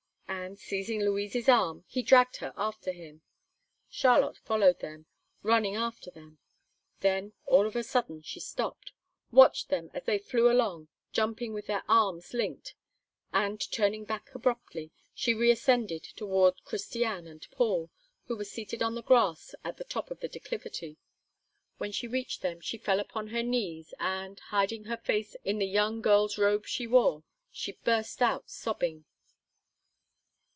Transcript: And seizing Louise's arm, he dragged her after him. Charlotte followed them, running after them. Then, all of a sudden, she stopped, watched them as they flew along, jumping with their arms linked, and, turning back abruptly, she reascended toward Christiane and Paul, who were seated on the grass at the top of the declivity. When she reached them, she fell upon her knees, and, hiding her face in the young girl's robe she wore, she burst out sobbing.